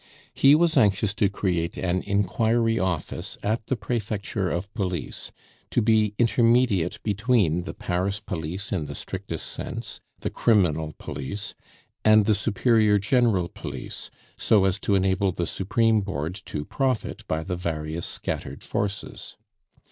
He was anxious to create an inquiry office at the Prefecture of Police, to be intermediate between the Paris police in the strictest sense, the criminal police, and the superior general police, so as to enable the supreme board to profit by the various scattered forces.